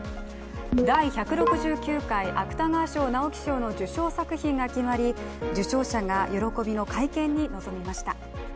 第１６９回芥川賞・直木賞の受賞作品が決まり受賞者が喜びの会見に臨みました。